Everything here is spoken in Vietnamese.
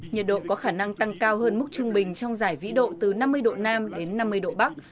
nhiệt độ có khả năng tăng cao hơn mức trung bình trong giải vĩ độ từ năm mươi độ nam đến năm mươi độ bắc